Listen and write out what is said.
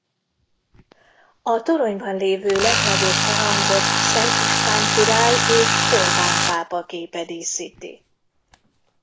A toronyban lévő legnagyobb harangot Szent István király és Orbán pápa képe díszíti.